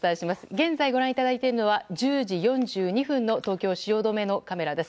現在ご覧いただいてるのは１０時４２分の東京・汐留のカメラです。